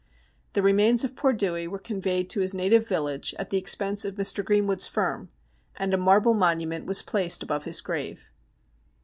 The remains of poor Dewey were conveyed to his native village at the expense of Mr. Greenwood's firm, and a marble monument was placed above his grave.